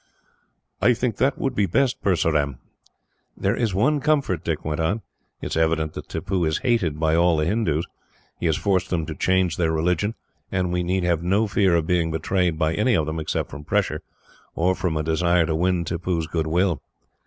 "I think that would be best, Purseram." "There is one comfort," Dick went on. "It is evident that Tippoo is hated by all the Hindoos. He has forced them to change their religion, and we need have no fear of being betrayed by any of them, except from pressure, or from a desire to win Tippoo's goodwill."